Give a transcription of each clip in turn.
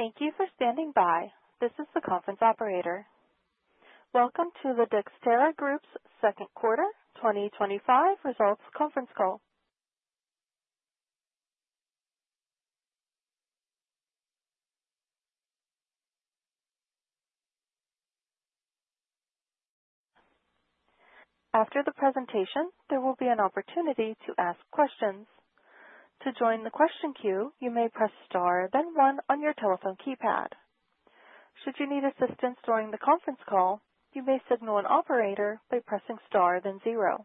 Thank you for standing by. This is the conference operator. Welcome to the Dexterra Group's Second Quarter 2025 Results Conference Call. After the presentation, there will be an opportunity to ask questions. To join the question queue, you may press star, then one on your telephone keypad. Should you need assistance during the conference call, you may signal an operator by pressing star, then zero.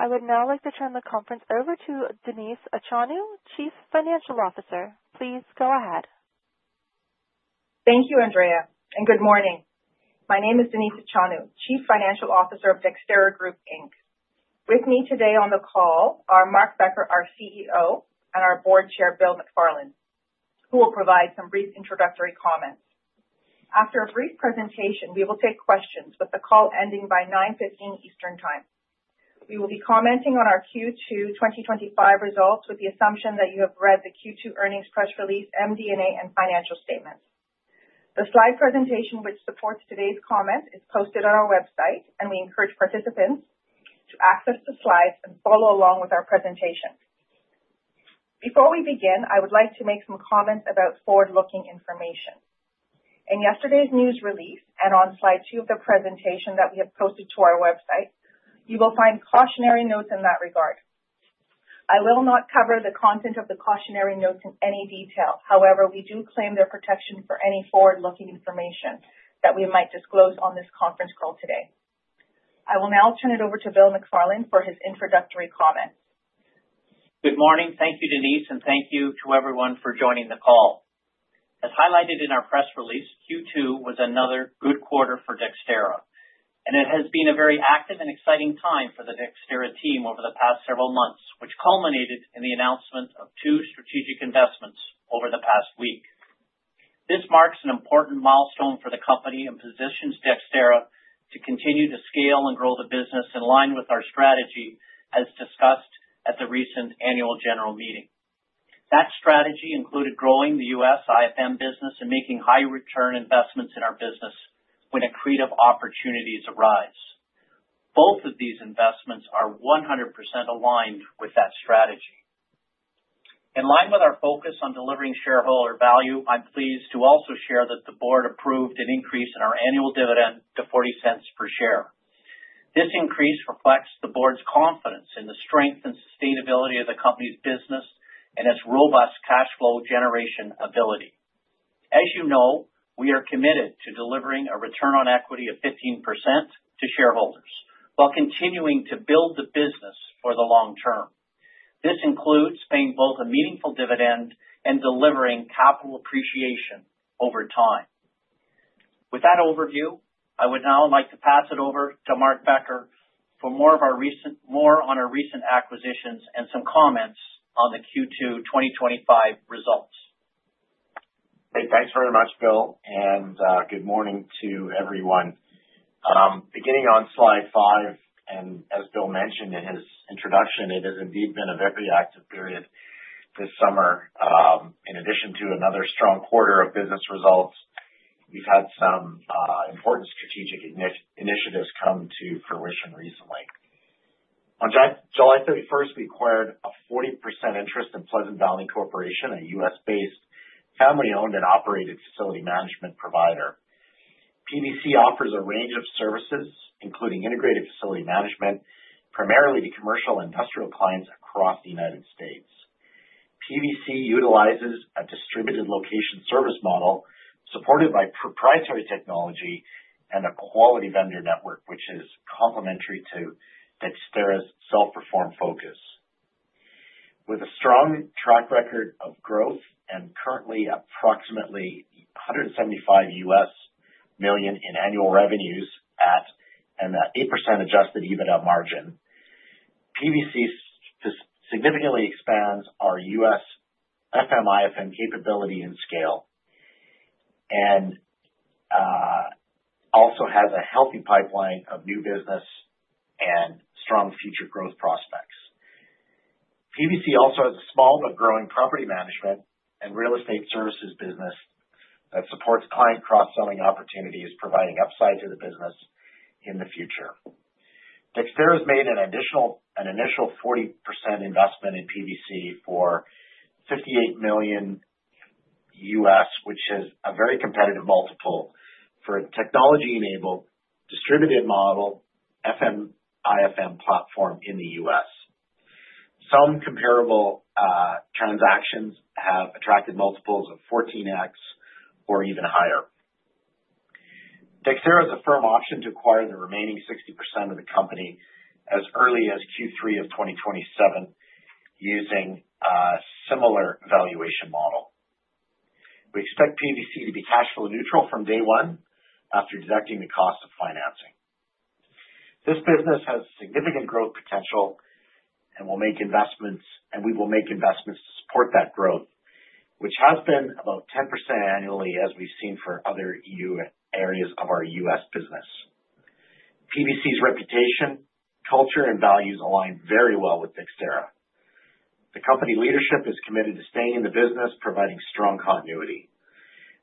I would now like to turn the conference over to Denise Achonu, Chief Financial Officer. Please go ahead. Thank you, Andrea, and good morning. My name is Denise Achonu, Chief Financial Officer of Dexterra Group Inc. With me today on the call are Mark Becker, our CEO, and our Board Chair, Bill McFarland, who will provide some brief introductory comments. After a brief presentation, we will take questions, with the call ending by 9:15 A.M. Eastern Time. We will be commenting on our Q2 2025 results with the assumption that you have read the Q2 earnings press release, MD&A, and financial statements. The slide presentation which supports today's comments is posted on our website, and we encourage participants to access the slides and follow along with our presentation. Before we begin, I would like to make some comments about forward-looking information. In yesterday's news release and on slide two of the presentation that we have posted to our website, you will find cautionary notes in that regard. I will not cover the content of the cautionary notes in any detail. However, we do claim their protection for any forward-looking information that we might disclose on this conference call today. I will now turn it over to Bill McFarland for his introductory comment. Good morning. Thank you, Denise, and thank you to everyone for joining the call. As highlighted in our press release, Q2 was another good quarter for Dexterra, and it has been a very active and exciting time for the Dexterra team over the past several months, which culminated in the announcement of two strategic investments over the past week. This marks an important milestone for the company and positions Dexterra to continue to scale and grow the business in line with our strategy, as discussed at the recent annual general meeting. That strategy included growing the U.S. IFM business and making high-return investments in our business when accretive opportunities arise. Both of these investments are 100% aligned with that strategy. In line with our focus on delivering shareholder value, I'm pleased to also share that the board approved an increase in our annual dividend to $0.40 per share. This increase reflects the board's confidence in the strength and sustainability of the company's business and its robust cash flow generation ability. As you know, we are committed to delivering a return on equity of 15% to shareholders while continuing to build the business for the long term. This includes paying both a meaningful dividend and delivering capital appreciation over time. With that overview, I would now like to pass it over to Mark Becker for more of our recent acquisitions and some comments on the Q2 2025 results. Thanks very much, Bill, and good morning to everyone. Beginning on slide five, and as Bill mentioned in his introduction, it has indeed been a very active period this summer. In addition to another strong quarter of business results, we've had some important strategic initiatives come to fruition recently. On July 31, we acquired a 40% interest in Pleasant Valley Corporation, a U.S.-based family-owned and operated facility management provider. PVC offers a range of services, including integrated facility management, primarily to commercial and industrial clients across the United States. PVC utilizes a distributed location service model supported by proprietary technology and a quality vendor network, which is complementary to Dexterra's self-performed focus. With a strong track record of growth and currently approximately $175 million in annual revenues at an 8% Adjusted EBITDA margin, PVC significantly expands our U.S. integrated facility management capability and scale, and also has a healthy pipeline of new business and strong future growth prospects. PVC also has a small but growing property management and real estate services business that supports client cross-selling opportunities, providing upside to the business in the future. Dexterra has made an additional 40% investment in PVC for $58 million U.S., which is a very competitive multiple for a technology-enabled distributed model integrated facility management platform in the U.S. Some comparable transactions have attracted multiples of 14X or even higher. Dexterra has a firm option to acquire the remaining 60% of the company as early as Q3 of 2027 using a similar valuation model. We expect PVC to be cash flow neutral from day one after deducting the cost of financing. This business has significant growth potential and we will make investments to support that growth, which has been about 10% annually, as we've seen for other areas of our U.S. business. PVC's reputation, culture, and values align very well with Dexterra. The company leadership is committed to staying in the business, providing strong continuity.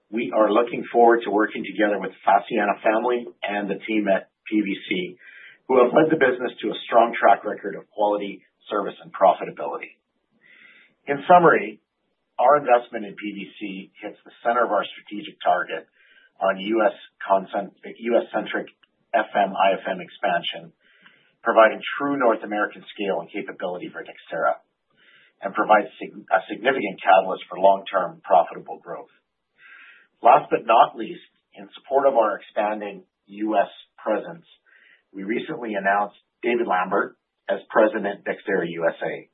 We are looking forward to working together with the Fassina family and the team at PVC, who have led the business to a strong track record of quality, service, and profitability. In summary, our investment in PVC hits the center of our strategic target on U.S.-centric integrated facility management expansion, providing true North American scale and capability for Dexterra and provides a significant catalyst for long-term profitable growth. Last but not least, in support of our expanding U.S. presence, we recently announced David Lambert as President of Dexterra USA.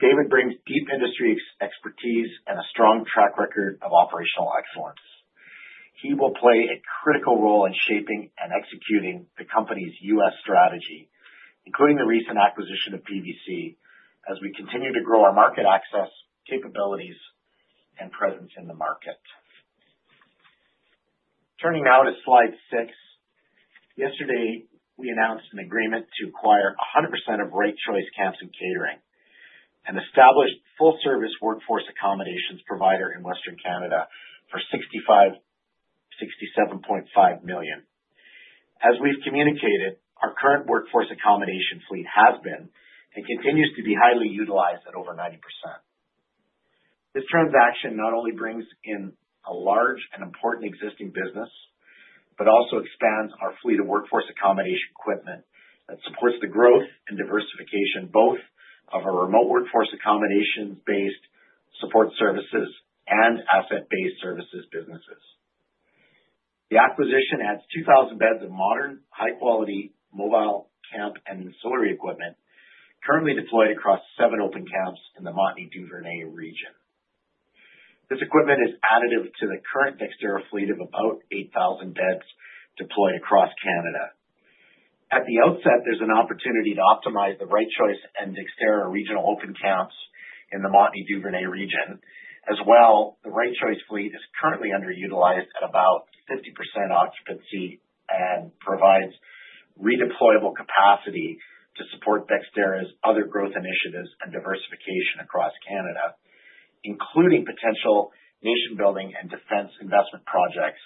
David brings deep industry expertise and a strong track record of operational excellence. He will play a critical role in shaping and executing the company's U.S. strategy, including the recent acquisition of PVC, as we continue to grow our market access capabilities and presence in the market. Turning now to slide six, yesterday we announced an agreement to acquire 100% of Right Choice Camps & Catering and establish a full-service workforce accommodations provider in Western Canada for $67.5 million. As we've communicated, our current workforce accommodations fleet has been and continues to be highly utilized at over 90%. This transaction not only brings in a large and important existing business but also expands our fleet of workforce accommodations equipment that supports the growth and diversification both of our remote workforce accommodations-based Support Services and Asset-Based Services businesses. The acquisition adds 2,000 beds of modern, high-quality mobile camp and ancillary equipment currently deployed across seven open camps in the Montney-Duvernay region. This equipment is additive to the current Dexterra fleet of about 8,000 beds deployed across Canada. At the outset, there's an opportunity to optimize the Right Choice and Dexterra regional open camps in the Montney-Duvernay region. As well, the Right Choice fleet is currently underutilized at about 50% occupancy and provides re-deployable capacity to support Dexterra's other growth initiatives and diversification across Canada, including potential nation-building and defense investment projects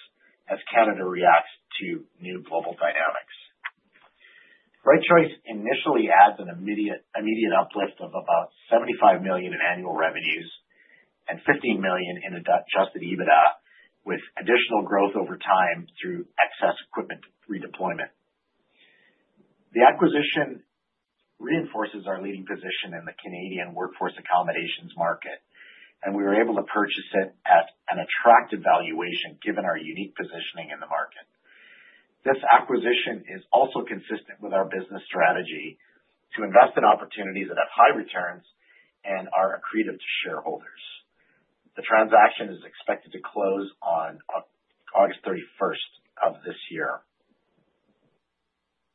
as Canada reacts to new global dynamics. Right Choice initially adds an immediate uplift of about $75 million in annual revenues and $15 million in Adjusted EBITDA, with additional growth over time through excess equipment redeployment. The acquisition reinforces our leading position in the Canadian workforce accommodations market, and we were able to purchase it at an attractive valuation given our unique positioning in the market. This acquisition is also consistent with our business strategy to invest in opportunities that have high returns and are accretive to shareholders. The transaction is expected to close on August 31st of this year.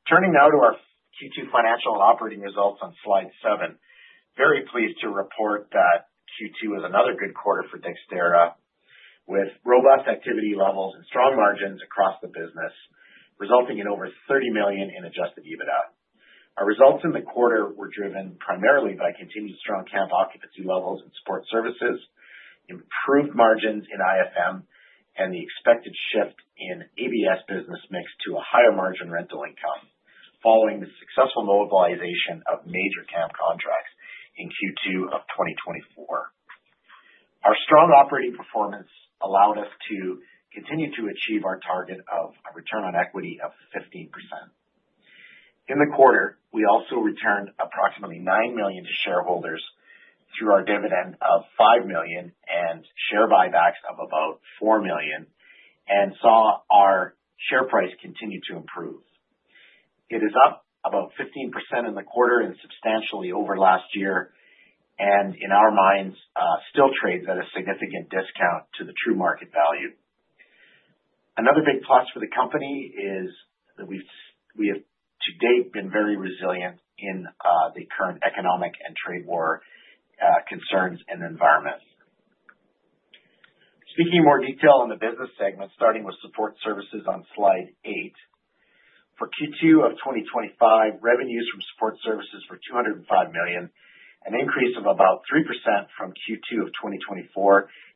Turning now to our Q2 financial and operating results on slide seven, very pleased to report that Q2 was another good quarter for Dexterra with robust activity levels and strong margins across the business, resulting in over $30 million in Adjusted EBITDA. Our results in the quarter were driven primarily by continued strong camp occupancy levels and Support Services, improved margins in integrated facility management, and the expected shift in Asset-Based Services business mix to a higher margin rental income following the successful mobilization of major camp contracts in Q2 of 2024. Our strong operating performance allowed us to continue to achieve our target of a return on equity of 15%. In the quarter, we also returned approximately $9 million to shareholders through our dividend of $5 million and share buybacks of about $4 million and saw our share price continue to improve. It is up about 15% in the quarter and substantially over the last year, and in our minds, still trades at a significant discount to the true market value. Another big plus for the company is that we have, to date, been very resilient in the current economic and trade war concerns and environments. Speaking in more detail on the business segment, starting with support services on slide eight. For Q2 of 2025, revenues from Support Services were $205 million, an increase of about 3% from Q2 of 2024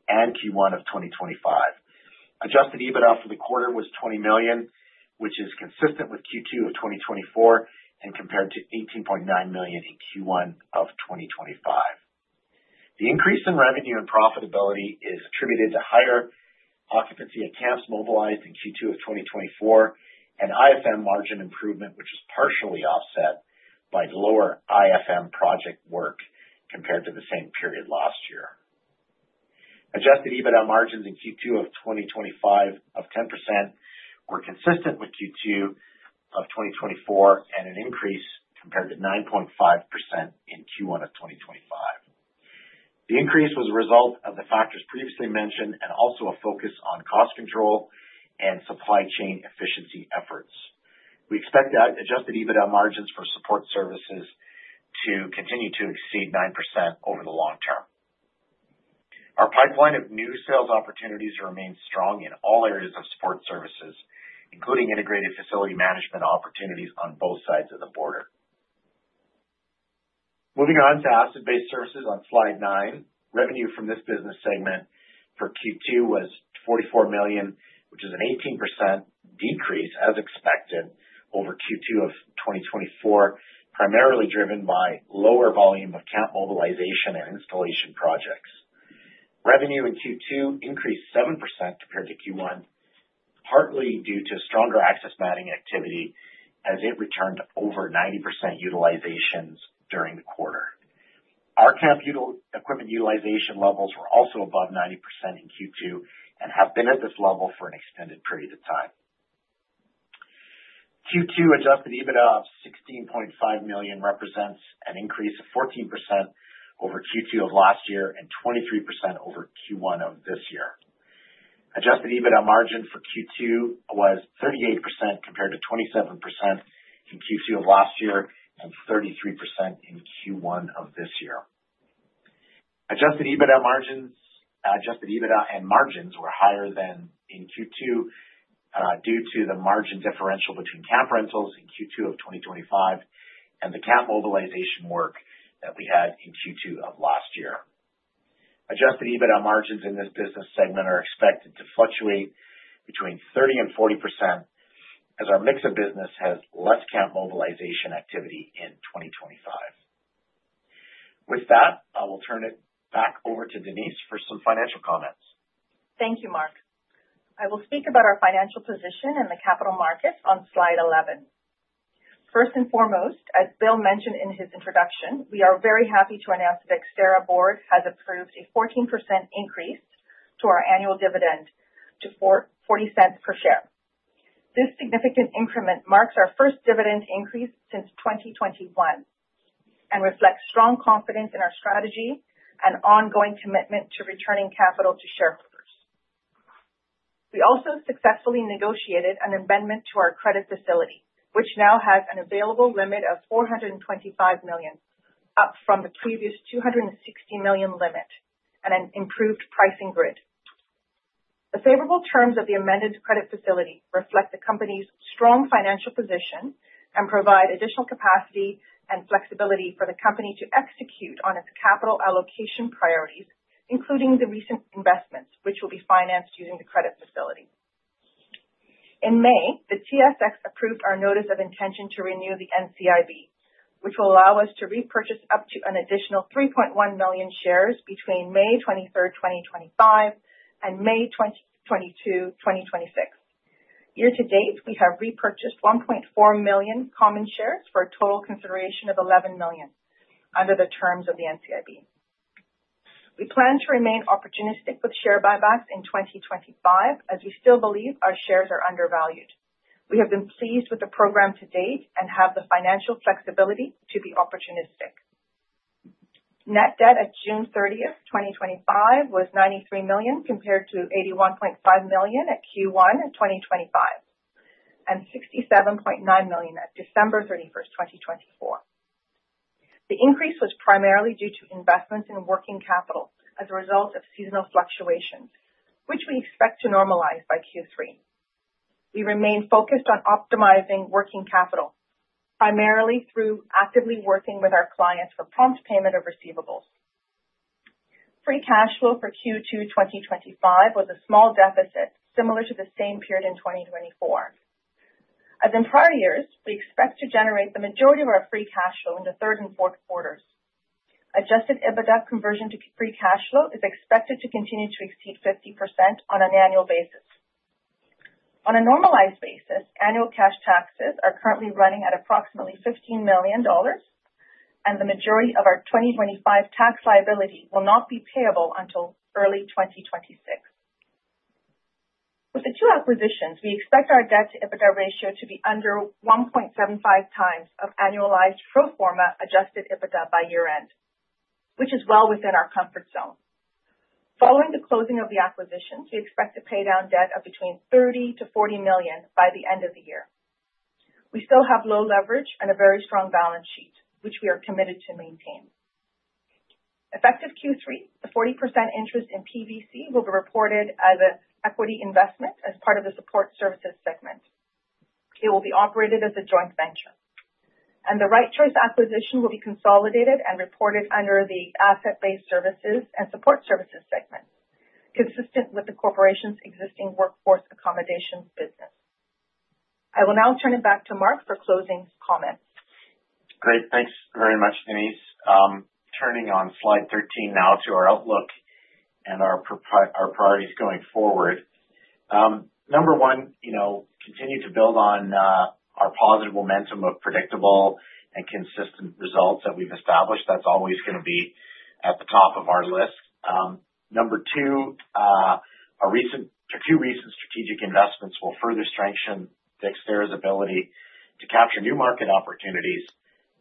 and Q1 of 2025. Adjusted EBITDA for the quarter was $20 million, which is consistent with Q2 of 2024 and compared to $18.9 million in Q1 of 2025. The increase in revenue and profitability is attributed to higher occupancy of camps mobilized in Q2 of 2024 and integrated facility management margin improvement, which is partially offset by lower integrated facility management project work compared to the same period last year. Adjusted EBITDA margins in Q2 of 2025 of 10% were consistent with Q2 of 2024 and an increase compared to 9.5% in Q1 of 2025. The increase was a result of the factors previously mentioned and also a focus on cost control and supply chain efficiency efforts. We expect the Adjusted EBITDA margins for Support Services to continue to exceed 9% over the long term. Our pipeline of new sales opportunities remains strong in all areas of Support Services, including integrated facility management opportunities on both sides of the border. Moving on to Asset-Based Services on slide nine, revenue from this business segment for Q2 was $44 million, which is an 18% decrease as expected over Q2 of 2024, primarily driven by lower volume of camp mobilization and installation projects. Revenue in Q2 increased 7% compared to Q1, partly due to stronger Access Matting activity, as it returned over 90% utilization during the quarter. Our camp equipment utilization levels were also above 90% in Q2 and have been at this level for an extended period of time. Q2 Adjusted EBITDA of $16.5 million represents an increase of 40% over Q2 of last year and 23% over Q1 of this year. Adjusted EBITDA margin for Q2 was 38% compared to 27% in Q2 of last year and 33% in Q1 of this year. Adjusted EBITDA and margins were higher than in Q2 due to the margin differential between camp rentals in Q2 of 2025 and the camp mobilization work that we had in Q2 of last year. Adjusted EBITDA margins in this business segment are expected to fluctuate between 30% and 40% as our mix of business has less camp mobilization activity in 2025. With that, I will turn it back over to Denise for some financial comments. Thank you, Mark. I will speak about our financial position in the capital markets on slide 11. First and foremost, as Bill mentioned in his introduction, we are very happy to announce the Dexterra board has approved a 14% increase to our annual dividend to $0.40 per share. This significant increment marks our first dividend increase since 2021 and reflects strong confidence in our strategy and ongoing commitment to returning capital to shareholders. We also successfully negotiated an amendment to our credit facility, which now has an available limit of $425 million, up from the previous $260 million limit, and an improved pricing grid. The favorable terms of the amended credit facility reflect the company's strong financial position and provide additional capacity and flexibility for the company to execute on its capital allocation priorities, including the recent investments, which will be financed using the credit facility. In May, the TSX approved our notice of intention to renew the NCIB, which will allow us to repurchase up to an additional 3.1 million shares between May 23, 2025, and May 22, 2026. Year to date, we have repurchased 1.4 million common shares for a total consideration of $11 million under the terms of the NCIB. We plan to remain opportunistic with share buybacks in 2025, as we still believe our shares are undervalued. We have been pleased with the program to date and have the financial flexibility to be opportunistic. Net debt at June 30, 2025, was $93 million compared to $81.5 million at Q1 of 2025 and $67.9 million at December 31, 2024. The increase was primarily due to investments in working capital as a result of seasonal fluctuations, which we expect to normalize by Q3. We remain focused on optimizing working capital, primarily through actively working with our clients for prompt payment of receivables. Free cash flow for Q2 2025 was a small deficit, similar to the same period in 2024. As in prior years, we expect to generate the majority of our free cash flow in the third and fourth quarters. Adjusted EBITDA conversion to free cash flow is expected to continue to exceed 50% on an annual basis. On a normalized basis, annual cash taxes are currently running at approximately $15 million, and the majority of our 2025 tax liability will not be payable until early 2026. With the two acquisitions, we expect our debt-to-EBITDA ratio to be under 1.75x of annualized pro forma Adjusted EBITDA by year-end, which is well within our comfort zone. Following the closing of the acquisitions, we expect to pay down debt of between $30 million to $40 million by the end of the year. We still have low leverage and a very strong balance sheet, which we are committed to maintaining. Effective Q3, the 40% interest in PVC will be reported as an equity investment as part of the Support Services segment. It will be operated as a joint venture, and the Right Choice cquisition will be consolidated and reported under the Asset-Based Services and Support Services segment, consistent with the corporation's existing Workforce Accommodations business. I will now turn it back to Mark for closing comments. Great. Thanks very much, Denise. Turning on slide 13 now to our outlook and our priorities going forward. Number one, you know, continue to build on our positive momentum of predictable and consistent results that we've established. That's always going to be at the top of our list. Number two, a few recent strategic investments will further strengthen Dexterra's ability to capture new market opportunities,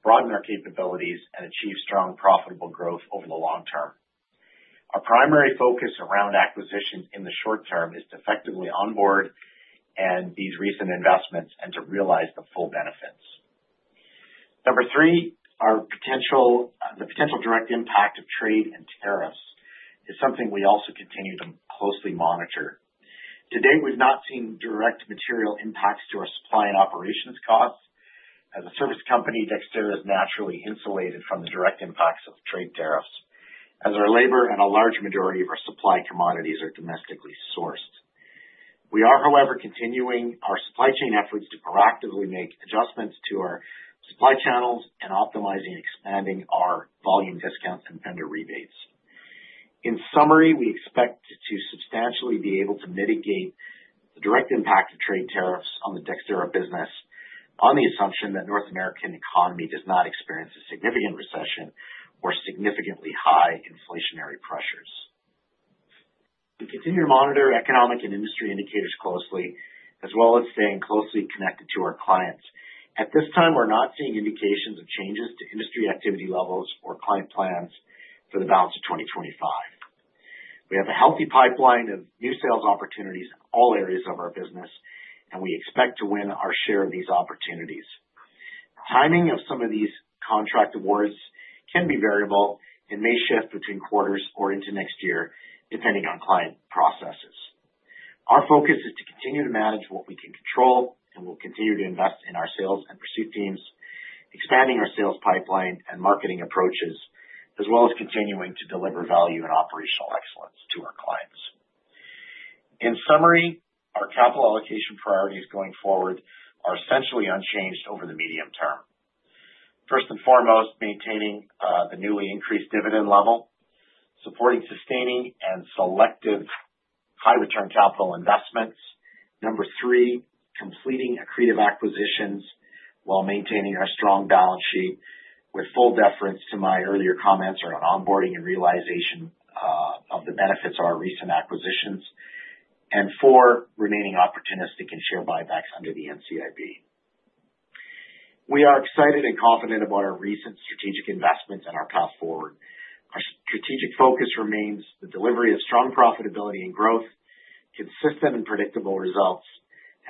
broaden their capabilities, and achieve strong profitable growth over the long term. Our primary focus around acquisitions in the short term is to effectively onboard these recent investments and to realize the full benefits. Number three, the potential direct impact of trade and tariffs is something we also continue to closely monitor. To date, we've not seen direct material impacts to our supply and operations costs. As a service company, Dexterra is naturally insulated from the direct impacts of trade tariffs, as our labor and a large majority of our supply commodities are domestically sourced. We are, however, continuing our supply chain efforts to proactively make adjustments to our supply channels and optimizing and expanding our volume discounts and tender rebates. In summary, we expect to substantially be able to mitigate the direct impact of trade tariffs on the Dexterra business on the assumption that the North American economy does not experience a significant recession or significantly high inflationary pressures. We continue to monitor economic and industry indicators closely, as well as staying closely connected to our clients. At this time, we're not seeing indications of changes to industry activity levels or client plans for the balance of 2025. We have a healthy pipeline of new sales opportunities in all areas of our business, and we expect to win our share of these opportunities. Timing of some of these contract awards can be variable and may shift between quarters or into next year, depending on client processes. Our focus is to continue to manage what we can control and will continue to invest in our sales and pursuit teams, expanding our sales pipeline and marketing approaches, as well as continuing to deliver value and operational excellence to our clients. In summary, our capital allocation priorities going forward are essentially unchanged over the medium term. First and foremost, maintaining the newly increased dividend level, supporting sustaining and selective high-return capital investments. Number three, completing creative acquisitions while maintaining our strong balance sheet, with full deference to my earlier comments around onboarding and realization of the benefits of our recent acquisitions. Number four, remaining opportunistic in share buybacks under the NCIB. We are excited and confident about our recent strategic investments and our path forward. Our strategic focus remains the delivery of strong profitability and growth, consistent and predictable results,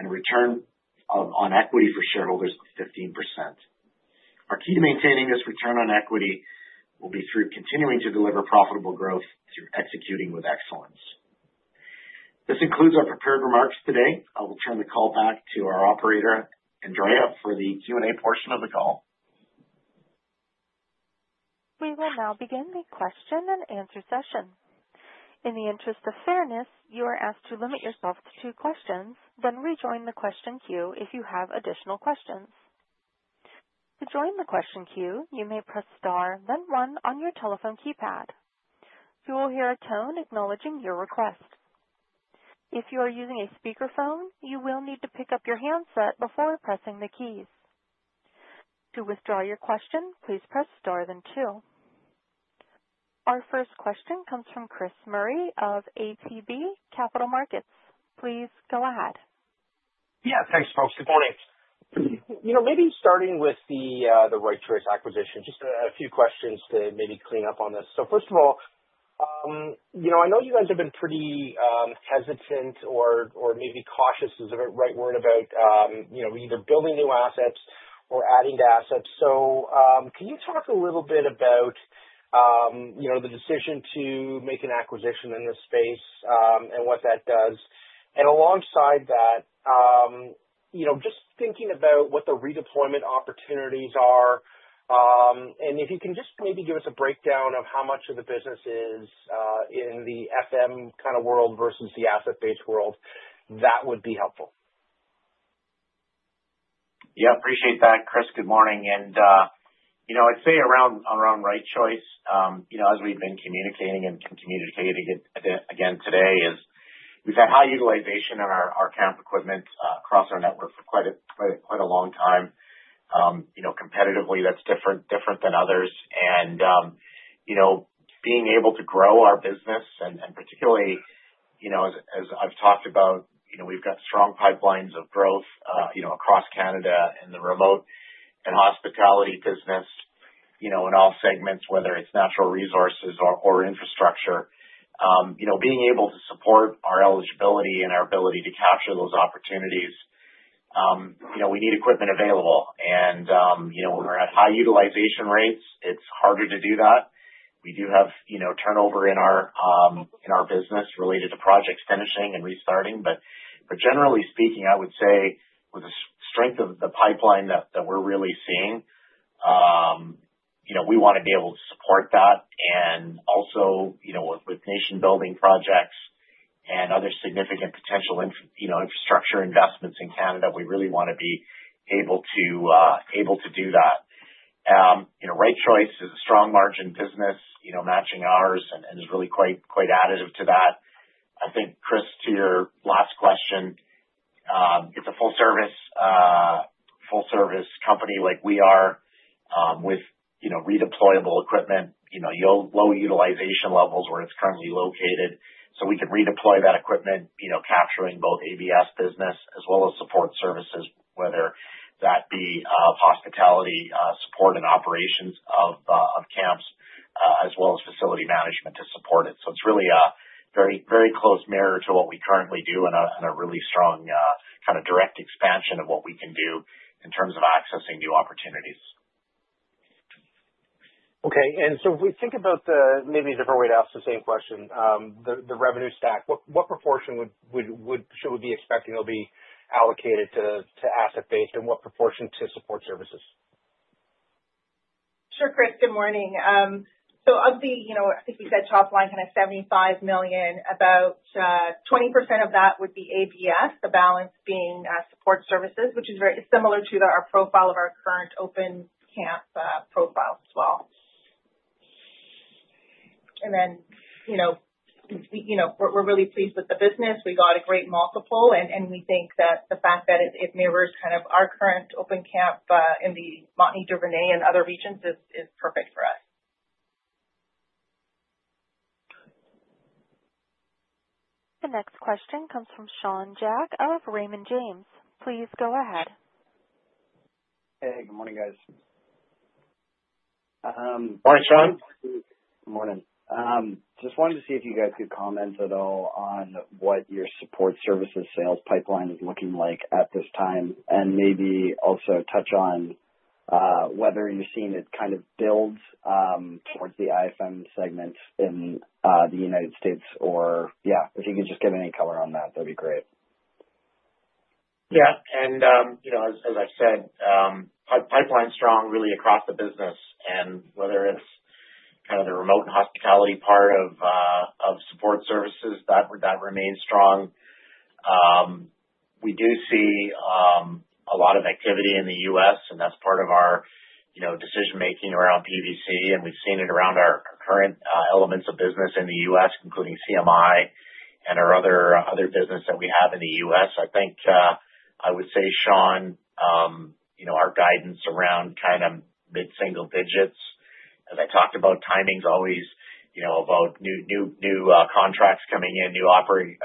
and a return on equity for shareholders of 15%. Our key to maintaining this return on equity will be through continuing to deliver profitable growth through executing with excellence. This concludes our prepared remarks today. I will turn the call back to our operator, Andrea, for the Q&A portion of the call. We will now begin the question and answer session. In the interest of fairness, you are asked to limit yourself to two questions, then rejoin the question queue if you have additional questions. To join the question queue, you may press star, then one on your telephone keypad. You will hear a tone acknowledging your request. If you are using a speakerphone, you will need to pick up your handset before pressing the keys. To withdraw your question, please press star, then two. Our first question comes from Chris Murray of ATB Capital Markets. Please go ahead. Yeah, thanks, folks. Good morning. Maybe starting with the Right Choice acquisition, just a few questions to maybe clean up on this. First of all, I know you guys have been pretty hesitant or maybe cautious is the right word about either building new assets or adding to assets. Can you talk a little bit about the decision to make an acquisition in this space and what that does? Alongside that, just thinking about what the redeployment opportunities are, and if you can just maybe give us a breakdown of how much of the business is in the integrated facility management kind of world versus the asset-based world, that would be helpful. Yeah, appreciate that, Chris. Good morning. I'd say around Right Choice, as we've been communicating and communicating again today, we've had high utilization in our camp equipment across our networks for quite a long time. Competitively, that's different than others. Being able to grow our business, and particularly, as I've talked about, we've got strong pipelines of growth across Canada in the remote and hospitality business in all segments, whether it's natural resources or infrastructure. Being able to support our eligibility and our ability to capture those opportunities, we need equipment available. When we're at high utilization rates, it's harder to do that. We do have turnover in our business related to projects finishing and restarting. Generally speaking, I would say with the strength of the pipeline that we're really seeing, we want to be able to support that. Also, with nation-building projects and other significant potential infrastructure investments in Canada, we really want to be able to do that. Right Choice is a strong margin business, matching ours, and is really quite additive to that. I think, Chris, to your last question, it's a full-service company like we are with re-deployable equipment, low utilization levels where it's currently located. We can redeploy that equipment, capturing both Asset-based Services business as well as Support Services, whether that be hospitality support and operations of camps, as well as facility management to support it. It's really a very, very close mirror to what we currently do and a really strong kind of direct expansion of what we can do in terms of accessing new opportunities. Okay. If we think about maybe a different way to ask the same question, the revenue stack, what proportion would we be expecting will be allocated to Asset-based and what proportion to Support Services? Sure, Chris. Good morning. Of the, you know, I think we said top line kind of $75 million, about 20% of that would be ABS, the balance being Support Services, which is very similar to our profile of our current open camp profile as well. We're really pleased with the business. We got a great multiple, and we think that the fact that it mirrors kind of our current open camp in the Montney, Duvernay and other regions is perfect for us. The next question comes from Sean Jack of Raymond James. Please go ahead. Hey, good morning, guys. Hi, Sean. Morning. Just wanted to see if you guys could comment at all on what your support services sales pipeline is looking like at this time, and maybe also touch on whether you're seeing it kind of build towards the IFM segment in the U.S. If you could just give any color on that, that'd be great. Yeah. As I said, pipeline's strong really across the business. Whether it's kind of the remote and hospitality part of Support Services, that remains strong. We do see a lot of activity in the U.S., and that's part of our decision-making around PVC. We've seen it around our current elements of business in the U.S., including CMI and our other business that we have in the U.S. I think I would say, Sean, our guidance around kind of mid-single digits. As I talked about, timing's always about new contracts coming in, new opportunities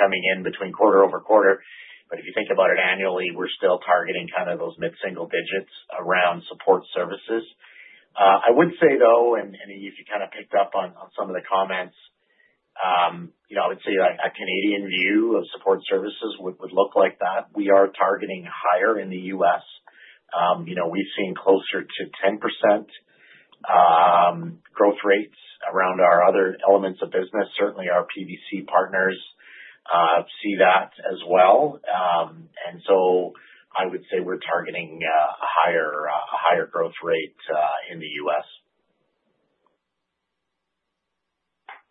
coming in between quarter over quarter. If you think about it annually, we're still targeting kind of those mid-single-digits around Support Services. I would say, though, and you kind of picked up on some of the comments, I would say a Canadian view of Support Services would look like that. We are targeting higher in the U.S. We've seen closer to 10% growth rates around our other elements of business. Certainly, our PVC partners see that as well. I would say we're targeting a higher growth rate in the U.S.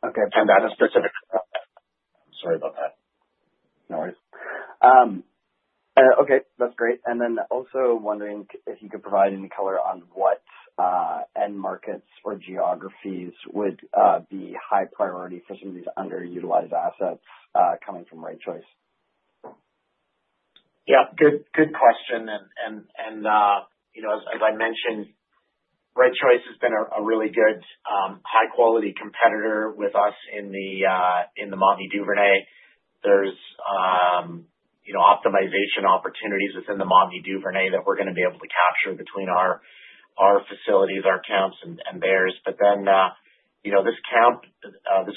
Okay, that is specific. Sorry about that. No worries. Okay. That's great. Also, wondering if you could provide any color on what end markets or geographies would be high priority for some of these underutilized assets coming from Right Choice. Yeah. Good question. As I mentioned, Right Choice has been a really good high-quality competitor with us in the Montney-Duvernay, optimization opportunities within the Montney-Duvernay that we're going to be able to capture between our facilities, our camps, and theirs. This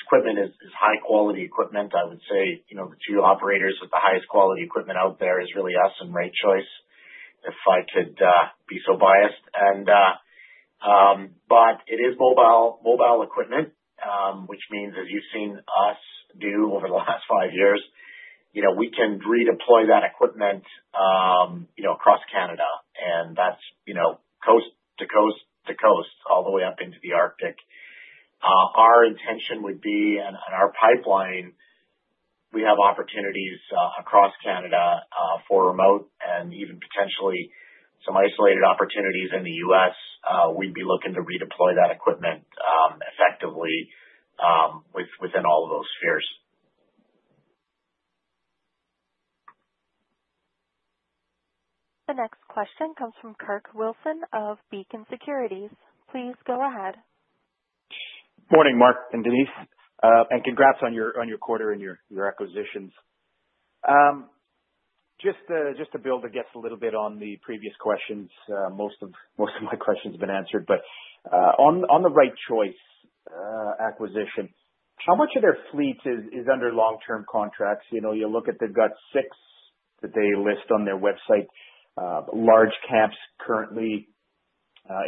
equipment is high-quality equipment. I would say the two operators with the highest quality equipment out there are really us and Right Choice, if I could be so biased. It is mobile equipment, which means, as you've seen us do over the last five years, we can redeploy that equipment across Canada. That's coast to coast to coast, all the way up into the Arctic. Our intention would be, and our pipeline, we have opportunities across Canada for remote and even potentially some isolated opportunities in the U.S. We'd be looking to redeploy that equipment effectively within all of those spheres. The next question comes from Kirk Wilson of Beacon Securities. Please go ahead. Morning, Mark and Denise. Congrats on your quarter and your acquisitions. Just to build a little bit on the previous questions, most of my questions have been answered. On the Right Choice acquisition, how much of their fleet is under long-term contracts? You know, you look at, they've got six that they list on their website, large camps currently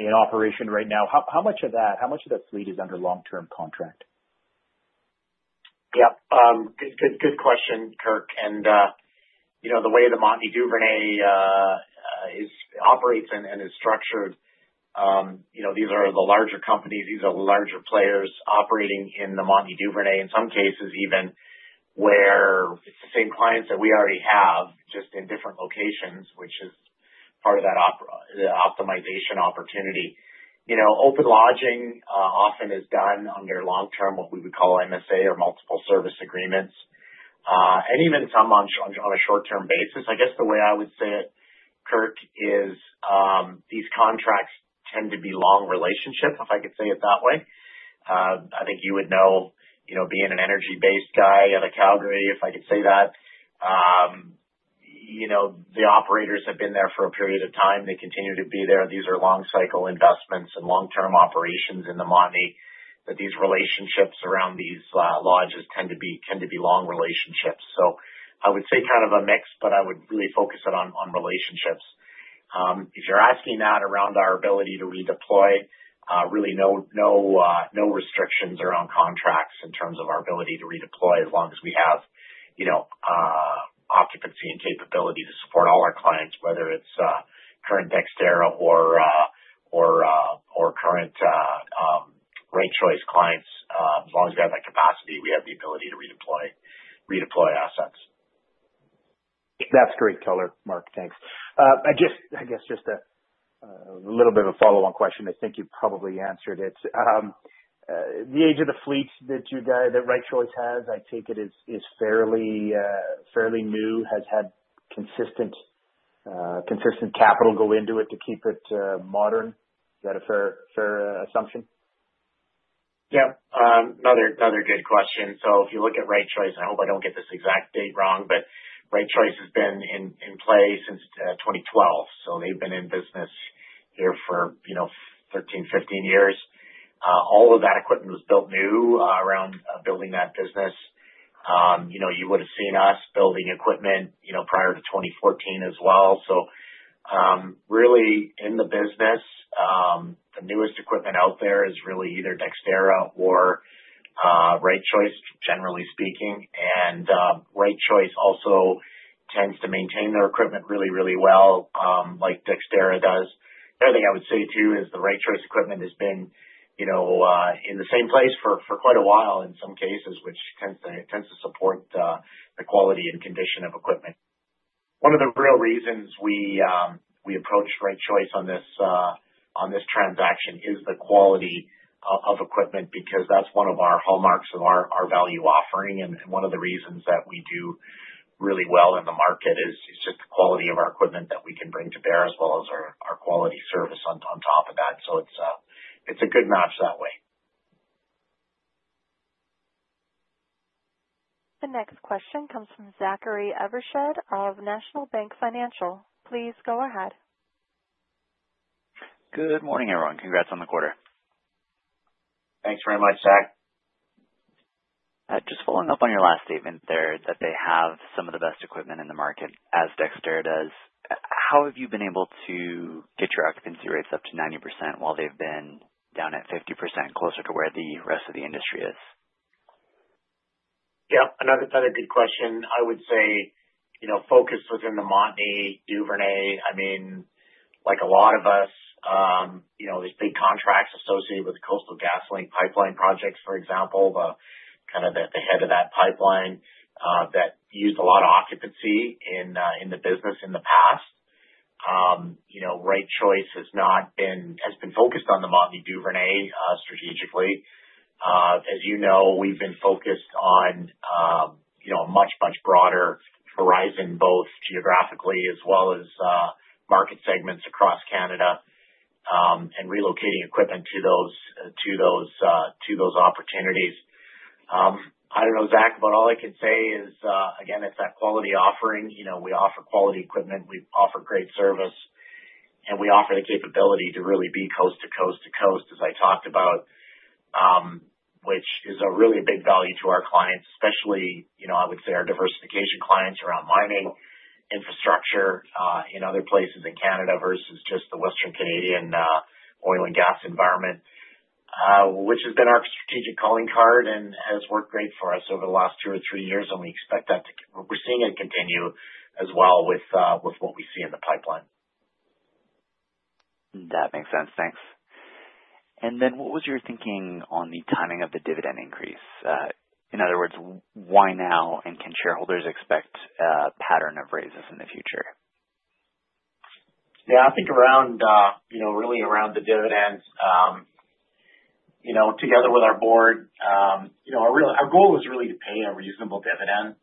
in operation right now. How much of that, how much of their fleet is under long-term contract? Yeah. Good question, Kirk. The way the Montney, Duvernay, and AIA operates and is structured, these are the larger companies. These are the larger players operating in the Montney, Duvernay, in some cases even where it's the same clients that we already have, just in different locations, which is part of that optimization opportunity. Open lodging often is done under long-term, what we would call MSA or multiple service agreements, and even some on a short-term basis. I guess the way I would say it, Kirk, is these contracts tend to be long relationships, if I could say it that way. I think you would know, being an energy-based guy out of Calgary, if I could say that, the operators have been there for a period of time. They continue to be there. These are long-cycle investments and long-term operations in the Montney, but these relationships around these lodges tend to be long relationships. I would say kind of a mix, but I would really focus it on relationships. If you're asking that around our ability to redeploy, really no restrictions around contracts in terms of our ability to redeploy as long as we have occupancy and capability to support all our clients, whether it's current Dexterra or current Right Choice clients. As long as we have that capacity, we have the ability to re-deploy assets. That's great color, Mark. Thanks. I guess just a little bit of a follow-on question. I think you probably answered it. The age of the fleet that Right Choice has, I think it is fairly new, has had consistent capital go into it to keep it modern. Is that a fair assumption? Yeah. Another good question. If you look at Right Choice, I hope I don't get this exact date wrong, but Right Choice has been in play since 2012. They've been in business here for, you know, 13, 15 years. All of that equipment was built new around building that business. You would have seen us building equipment prior to 2014 as well. In the business, the newest equipment out there is really either Dexterra or Right Choice, generally speaking. Right Choice also tends to maintain their equipment really, really well, like Dexterra does. The other thing I would say to you is the Right Choice equipment has been in the same place for quite a while in some cases, which tends to support the quality and condition of equipment. One of the real reasons we approached Right Choice on this transaction is the quality of equipment because that's one of our hallmarks of our value offering. One of the reasons that we do really well in the market is just the quality of our equipment that we can bring to bear as well as our quality service on top of that. It's a good match that way. The next question comes from Zachary Evershed of National Bank Financial. Please go ahead. Good morning, everyone. Congrats on the quarter. Thanks very much, Zach. Just following up on your last statement there that they have some of the best equipment in the market as Dexterra does. How have you been able to get your occupancy rates up to 90% while they've been down at 50% closer to where the rest of the industry is? Yeah. Another good question. I would say, you know, focused within the Montney, Duvernay, I mean, like a lot of us, you know, there's big contracts associated with Coastal GasLink pipeline projects, for example, the kind of the head of that pipeline that used a lot of occupancy in the business in the past. You know, Right Choice has not been focused on the Montney, Duvernay strategically. As you know, we've been focused on, you know, a much, much broader horizon, both geographically as well as market segments across Canada, and relocating equipment to those opportunities. I don't know, Zach, but all I can say is, again, it's that quality offering. You know, we offer quality equipment. We offer great service. We offer the capability to really be coast to coast to coast, as I talked about, which is really a big value to our clients, especially, you know, I would say our diversification clients around mining infrastructure in other places in Canada versus just the Western Canadian oil and gas environment, which has been our strategic calling card and has worked great for us over the last two or three years. We expect that to, we're seeing it continue as well with what we see in the pipeline. That makes sense. Thanks. What was your thinking on the timing of the dividend increase? In other words, why now, and can shareholders expect a pattern of raises in the future? I think around, you know, really around the dividends, together with our Board, our goal was really to pay a reasonable dividend.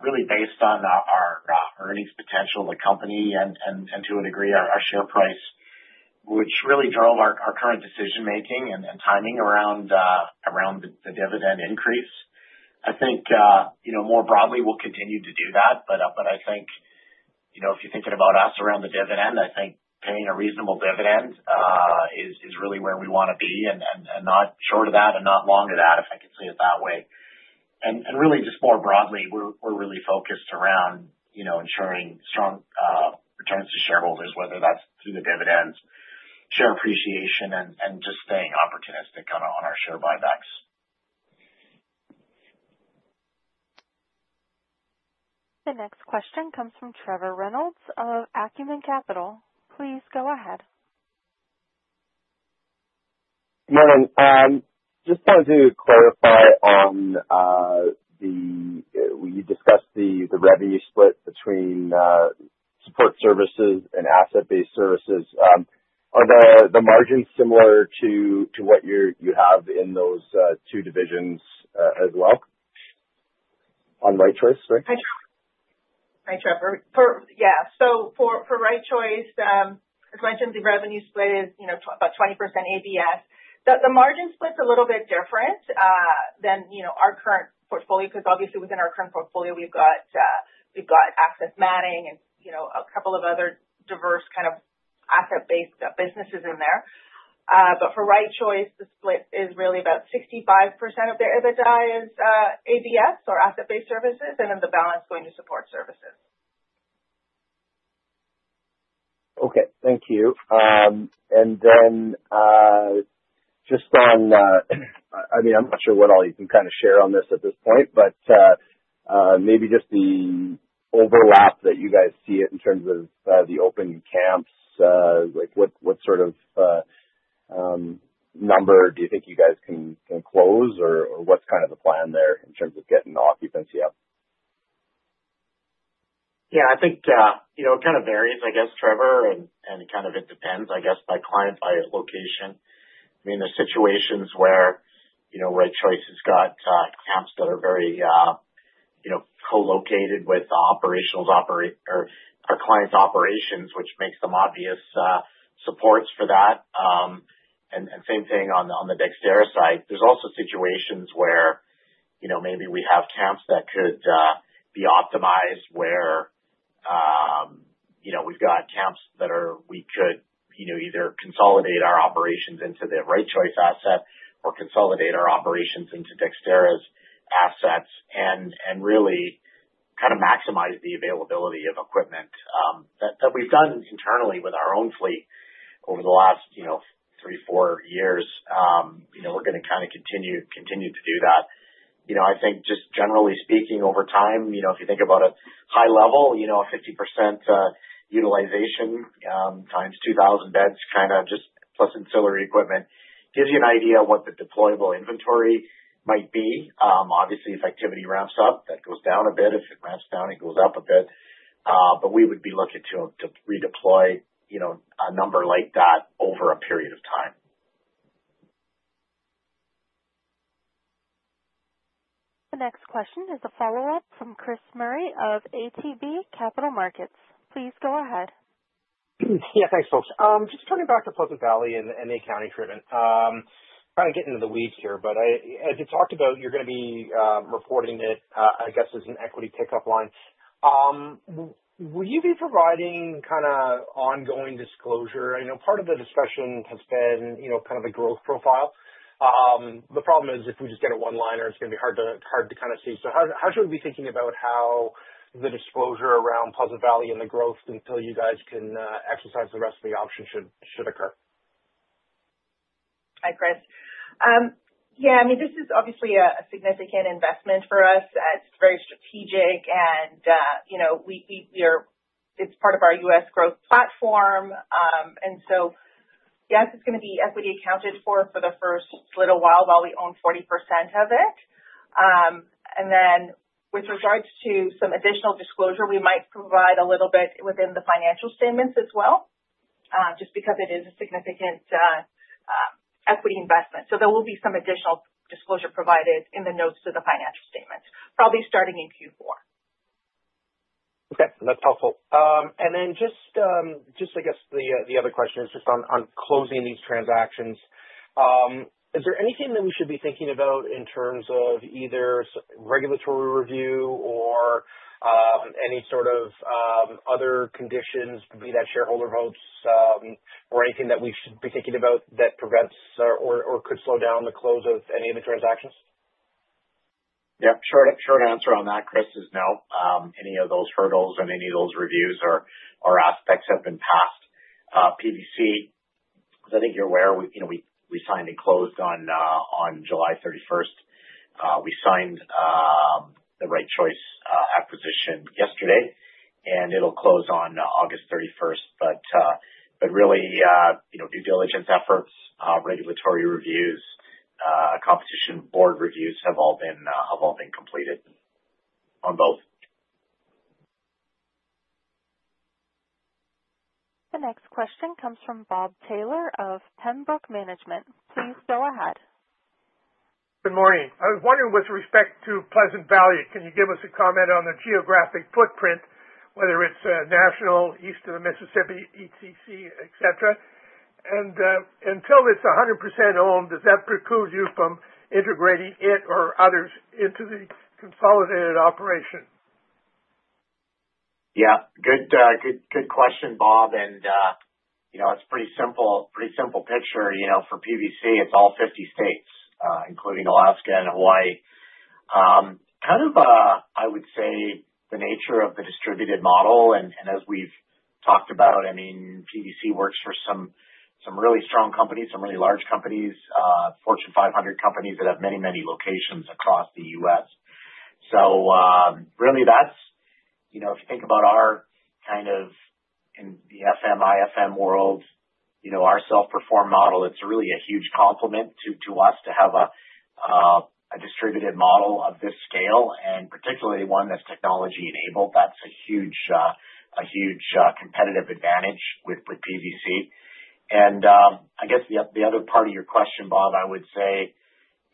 Really based on our earnings potential, the company, and to a degree, our share price, which really drove our current decision-making and timing around the dividend increase. I think, more broadly, we'll continue to do that. If you're thinking about us around the dividend, I think paying a reasonable dividend is really where we want to be and not short of that and not long of that, if I could say it that way. Really, just more broadly, we're really focused around ensuring strong returns to shareholders, whether that's through the dividends, share appreciation, and just staying opportunistic on our share buybacks. The next question comes from Trevor Reynolds of Acumen Capital. Please go ahead. Morning. I just wanted to clarify on the, you discussed the revenue split between Support Services and Asset-Based Services. Are the margins similar to what you have in those two divisions as well on Right Choice? Hi, Trevor. Yeah. For Right Choice as mentioned, the revenue split is about 20% ABS. The margin split's a little bit different than our current portfolio because obviously within our current portfolio, we've got Access Matting and a couple of other diverse kind of Asset-Based Businesses in there. For Right Choice, the split is really about 65% of their EBITDA is ABS or Asset-Based Services, and then the balance going to Support Services. Thank you. Just on, I mean, I'm not sure what all you can kind of share on this at this point, but maybe just the overlap that you guys see in terms of the open camps, like what sort of number do you think you guys can close or what's kind of the plan there in terms of getting the occupancy up? Yeah, I think it kind of varies, I guess, Trevor, and it depends, I guess, by client, by location. I mean, there's situations where Right Choice has got camps that are very, you know, co-located with our client's operations, which makes them obvious supports for that. Same thing on the Dexterra side. There's also situations where maybe we have camps that could be optimized where we've got camps that we could either consolidate our operations into the Right Choice asset or consolidate our operations into Dexterra's assets and really kind of maximize the availability of equipment that we've done internally with our own fleet over the last three, four years. We're going to kind of continue to do that. I think just generally speaking, over time, if you think about a high level, a 50% utilization times 2,000 beds, plus ancillary equipment, gives you an idea of what the deployable inventory might be. Obviously, if activity ramps up, that goes down a bit. If it ramps down, it goes up a bit. We would be looking to re-deploy a number like that over a period of time. The next question is a follow-up from Chris Murray of ATB Capital Markets. Please go ahead. Yeah, thanks, folks. Just turning back to Pleasant Valley and Ada County for a minute. Trying to get into the weeds here, but as you talked about, you're going to be reporting it, I guess, as an equity pickup line. Will you be providing kind of ongoing disclosure? I know part of the discussion has been, you know, kind of a growth profile. The problem is if we just get a one-liner, it's going to be hard to kind of see. How should we be thinking about how the disclosure around Pleasant Valley and the growth until you guys can exercise the rest of the options should occur? Hi, Chris. Yeah, I mean, this is obviously a significant investment for us. It's very strategic, and you know, it's part of our U.S. growth platform. Yes, it's going to be equity accounted for for the first little while while we own 40% of it. With regards to some additional disclosure, we might provide a little bit within the financial statements as well, just because it is a significant equity investment. There will be some additional disclosure provided in the notes to the financial statements, probably starting in Q4. Okay. That's helpful. I guess the other question is just on closing these transactions. Is there anything that we should be thinking about in terms of either regulatory review or any sort of other conditions, be that shareholder votes or anything that we should be thinking about that prevents or could slow down the close of any of the transactions? Yeah. Short answer on that, Chris, is no. Any of those hurdles and any of those reviews or aspects have been passed. PVC, as I think you're aware, you know, we signed and closed on July 31. We signed the Right Choice acquisition yesterday, and it'll close on August 31. Really, you know, due diligence efforts, regulatory reviews, competition board reviews have all been completed on both. The next question comes from Bob Taylor of Pembroke Management. Please go ahead. Good morning. I was wondering, with respect to PVC, can you give us a comment on the geographic footprint, whether it's national, east of the Mississippi, etc.? Until it's 100% owned, does that preclude you from integrating it or others into the consolidated operation? Yeah. Good, good, good question, Bob. You know, it's a pretty simple, pretty simple picture. For PVC, it's all 50 states, including Alaska and Hawaii. Kind of, I would say, the nature of the distributed model. As we've talked about, PVC works for some really strong companies, some really large companies, Fortune 500 companies that have many, many locations across the U.S. Really, that's, you know, if you think about our kind of in the, IFM world, our self-performed model, it's really a huge compliment to us to have a distributed model of this scale, and particularly one that's technology-enabled. That's a huge, a huge competitive advantage with PVC. I guess the other part of your question, Bob, I would say,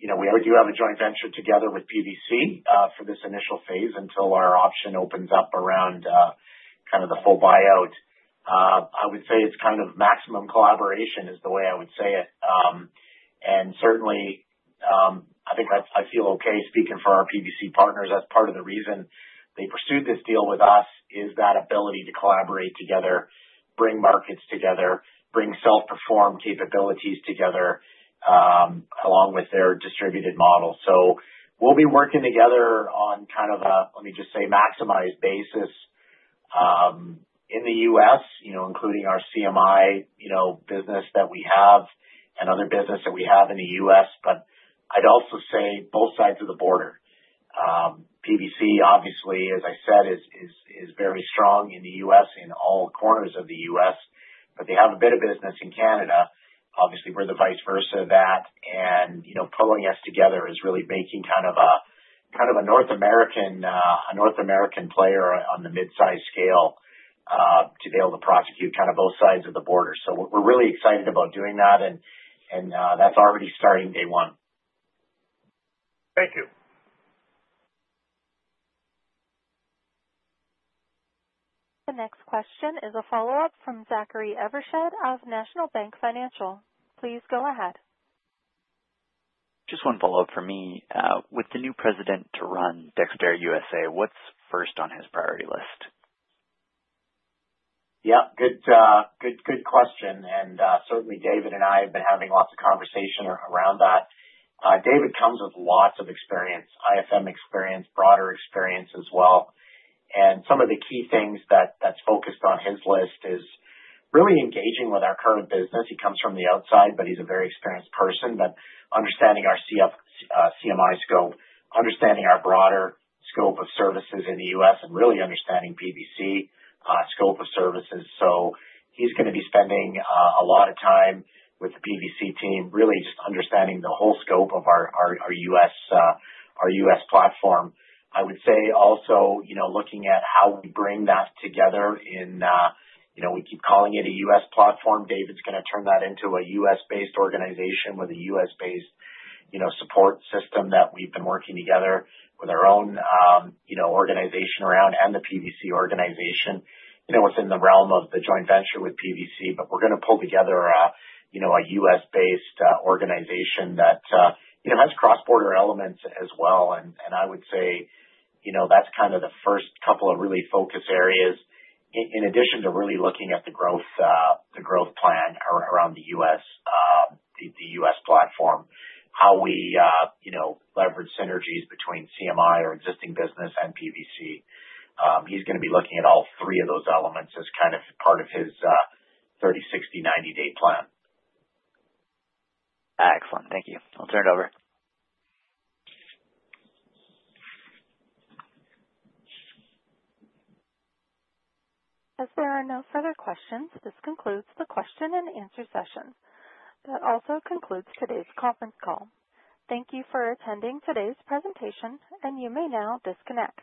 we do have a joint venture together with PVC for this initial phase until our option opens up around kind of the full buyout. I would say it's kind of maximum collaboration is the way I would say it. Certainly, I think that's, I feel okay speaking for our PVC partners. That's part of the reason they pursued this deal with us, is that ability to collaborate together, bring markets together, bring self-performed capabilities together along with their distributed model. We'll be working together on kind of a, let me just say, maximized basis in the U.S., including our CMI business that we have and other business that we have in the U.S. I'd also say both sides of the border. PVC, obviously, as I said, is very strong in the U.S., in all corners of the U.S., but they have a bit of business in Canada. Obviously, we're the vice versa of that. Pulling us together is really making kind of a kind of a North American player on the midsize scale to be able to prosecute kind of both sides of the border. We're really excited about doing that, and that's already starting day one. Thank you. The next question is a follow-up from Zachary Evershed of National Bank Financial. Please go ahead. Just one follow-up for me. With the new President to run Dexterra USA, what's first on his priority list? Yeah, good question. Certainly, David and I have been having lots of conversation around that. David comes with lots of experience, IFM experience, broader experience as well. Some of the key things that's focused on his list is really engaging with our current business. He comes from the outside, but he's a very experienced person that understands our CMI scope, understands our broader scope of services in the U.S., and really understands PVC scope of services. He's going to be spending a lot of time with the PVC team, really just understanding the whole scope of our U.S. platform. I would say also, you know, looking at how we bring that together in, you know, we keep calling it a U.S. platform. David's going to turn that into a U.S.-based organization with a U.S.-based, you know, support system that we've been working together with our own, you know, organization around and the PVC organization, you know, within the realm of the joint venture with PVC. We're going to pull together a, you know, a U.S.-based organization that, you know, has cross-border elements as well. I would say, you know, that's kind of the first couple of really focus areas in addition to really looking at the growth plan around the U.S., the U.S. platform, how we, you know, leverage synergies between CMI or existing business and PVC. He's going to be looking at all three of those elements as kind of part of his 30, 60, 90-day plan. Excellent. Thank you. I'll turn it over. If there are no further questions, this concludes the question and answer session. That also concludes today's conference call. Thank you for attending today's presentation, and you may now disconnect.